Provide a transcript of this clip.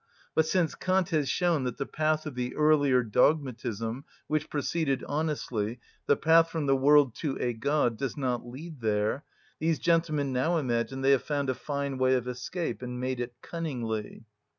But since Kant has shown that the path of the earlier dogmatism, which proceeded honestly, the path from the world to a God, does not lead there, these gentlemen now imagine they have found a fine way of escape and made it cunningly.